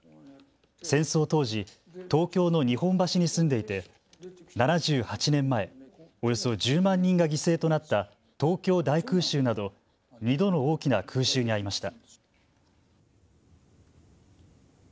戦争当時、東京の日本橋に住んでいて７８年前、およそ１０万人が犠牲となった東京大空襲など２度の大きな空襲に遭いました。